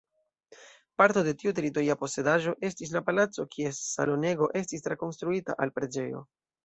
Parto de tiu teritoria posedaĵo estis la palaco kies salonego estis trakonstruita al preĝejo.